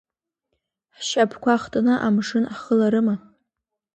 Ҳшьапқәа хтны амшын ҳхыларыма?!